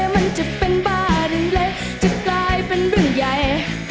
มันจะเป็นบ้านเล็กจะกลายเป็นเรื่องใหญ่